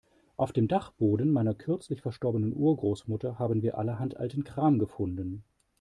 Auf dem Dachboden meiner kürzlich verstorbenen Urgroßmutter haben wir allerhand alten Kram gefunden.